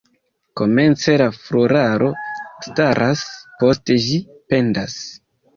Komence la floraro staras, poste ĝi pendas.